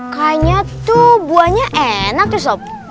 kayanya tuh buahnya enak ya sob